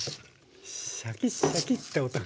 シャキッシャキッて音が。